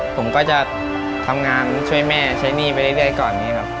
ผมก็จะทำงานช่วยแม่ใช้หนี้ไปเรื่อยก่อนนี้ครับ